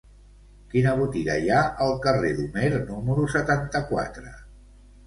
Quina botiga hi ha al carrer d'Homer número setanta-quatre?